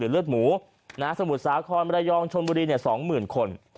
เลือดหมูสมุทรสาครมระยองชนบุรี๒๐๐๐คน